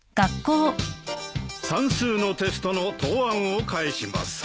算数のテストの答案を返します。